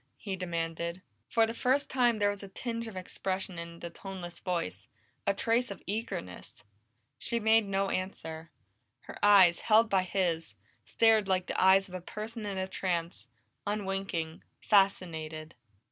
he demanded. For the first time there was a tinge of expression in the toneless voice, a trace of eagerness. She made no answer; her eyes, held by his, stared like the eyes of a person in a trance, unwinking, fascinated.